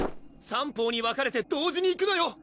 三方に分かれて同時にいくのよ！